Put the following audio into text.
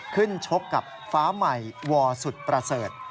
ชกกับฟ้าใหม่วอสุดประเสริฐ